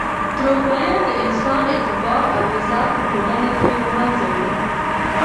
درواغ ویل د انسان اعتبار او عزت په ټولنه کې له منځه وړي.